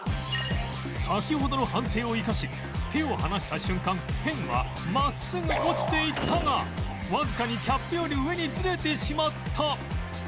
先ほどの反省を生かし手を離した瞬間ペンは真っすぐ落ちていったがわずかにキャップより上にズレてしまった